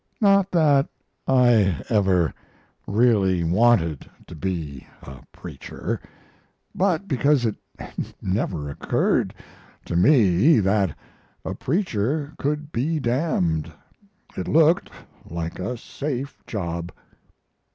"Not that I ever really wanted to be a preacher, but because it never occurred to me that a preacher could be damned. It looked like a safe job."